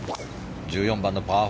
１４番のパー５。